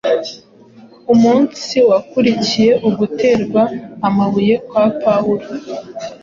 Umunsi wakurikiye uguterwa amabuye kwa Pawulo,